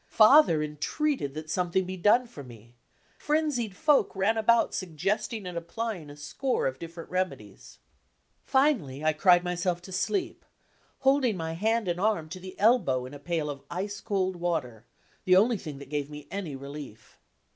Father en treated that somethitig be done for me, frenzied folk ran about suggesting and applying a score of different reme dies. Finally I cried myself to sleep, holding my hand and Digilized by Google arm to the elbow in a pail of ice cold water, the only thing that gave me any relief.